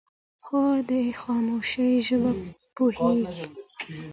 خور د خاموشۍ ژبه پوهېږي.